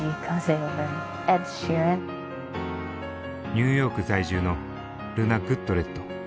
ニューヨーク在住のルナ・グッドレット。